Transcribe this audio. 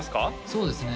そうですね